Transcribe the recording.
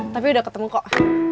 tapi udah ketemu kok